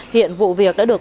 hiện vụ việc đã được